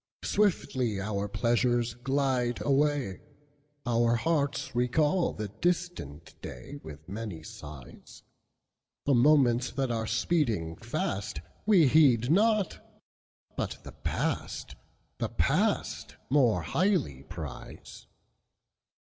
Swiftly our pleasures glide away, Our hearts recall the distant dayWith many sighs; The moments that are speeding fastWe heed not, but the past,—the past, More highly prize.